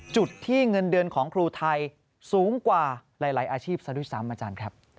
จุดที่เงินเดือนของครูไทยสูงกว่าหลายอาชีพซะด้วยซ้ำอาจารย์ครับ